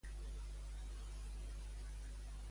El robot aspirador, me l'actives?